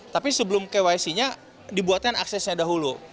tapi sebelum kyc nya dibuatkan aksesnya dahulu